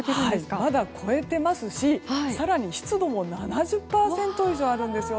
まだ超えてますし更に湿度も７０％以上あるんですよ。